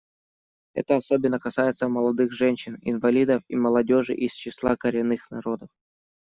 Это особенно касается молодых женщин, инвалидов и молодежи из числа коренных народов.